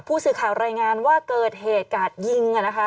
ผู้สื่อข่าวรายงานว่าเกิดเหตุการณ์ยิง